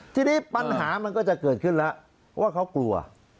ทีนี้ปัญหามันก็จะเกิดขึ้นแล้วว่าเขากลัว